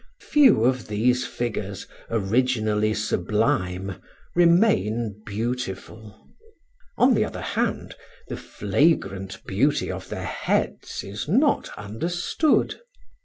Few of these figures, originally sublime, remain beautiful. On the other hand, the flagrant beauty of their heads is not understood.